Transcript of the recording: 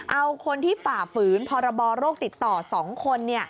เอาคนที่ฝ่าฝืนพรบโรคติดต่อ๒คน